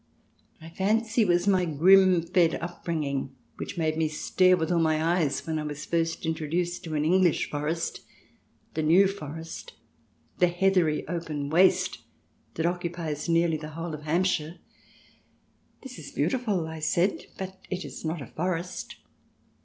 I fancy it was my Grimm fed upbringing which made me stare with all my eyes when I was first introduced to an English forest ; the New Forest, the heathery open waste that occupies nearly the whole of Hampshire. " This is beautiful," I said, " but it is not a forest."